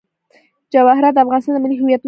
جواهرات د افغانستان د ملي هویت نښه ده.